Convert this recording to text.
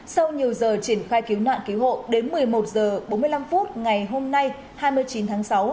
sau nhiều giờ triển khai cứu nạn cứu hộ đến một mươi một h bốn mươi năm ngày hôm nay hai mươi chín tháng sáu